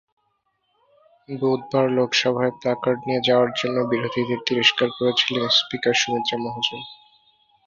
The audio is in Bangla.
বুধবার লোকসভায় প্ল্যাকার্ড নিয়ে যাওয়ার জন্য বিরোধীদের তিরস্কার করেছিলেন স্পিকার সুমিত্রা মহাজন।